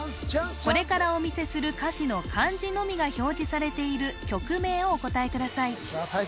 これからお見せする歌詞の漢字のみが表示されている曲名をお答えくださいさあ